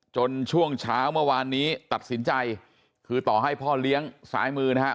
ช่วงเช้าเมื่อวานนี้ตัดสินใจคือต่อให้พ่อเลี้ยงสายมือนะฮะ